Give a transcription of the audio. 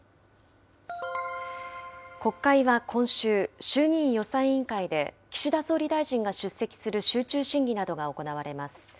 国会は今週、衆議院予算委員会で岸田総理大臣が出席する集中審議などが行われます。